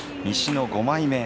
西の５枚目宝